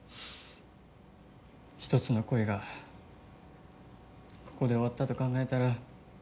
１つの恋がここで終わったと考えたら。